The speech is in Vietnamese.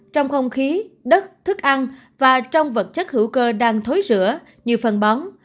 trong không khí đất thức ăn và trong vật chất hữu cơ đang thối rửa như phần bóng